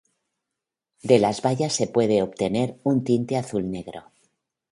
De las bayas se puede obtener un tinte azul-negro.